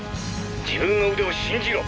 自分の腕を信じろ！